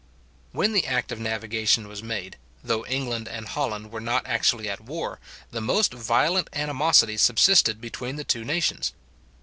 When the act of navigation was made, though England and Holland were not actually at war, the most violent animosity subsisted between the two nations.